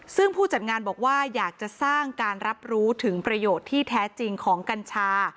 ซึ่งผู้จัดงานบอกว่าอยากจะสร้างการรับรู้ถึงประโยชน์ที่แท้จริงของกัญชา